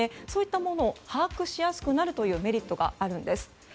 そういったものを把握しやすくなるメリットがあるんです。